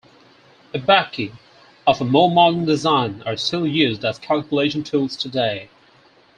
Abaci, of a more modern design, are still used as calculation tools today.